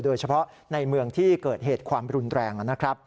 โดยเฉพาะในเมืองที่เกิดเหตุความรุนแรงนะครับ